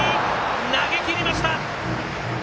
投げきりました。